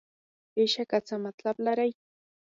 بېشکه څه مطلب لري.